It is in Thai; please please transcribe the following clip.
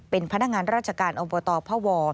เป็นพนักงานราชการอบตพว